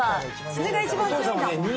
それが一番強いんだもん。